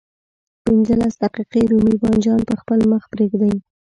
پنځلس دقيقې رومي بانجان په خپل مخ پرېږدئ.